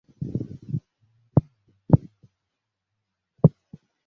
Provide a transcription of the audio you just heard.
kilimanjaro ni miongoni mwa vivutio muhimu vya utalii